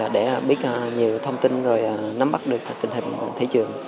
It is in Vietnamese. để biết nhiều thông tin rồi nắm bắt được tình hình thị trường